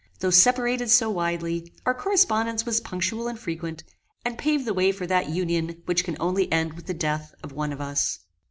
Though separated so widely our correspondence was punctual and frequent, and paved the way for that union which can only end with the death of one of us.